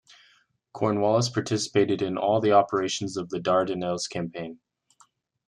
"Cornwallis" participated in all the operations of the Dardanelles campaign.